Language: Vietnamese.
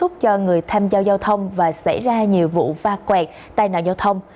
tham gia giao thông và xảy ra nhiều vụ va quẹt tai nạn giao thông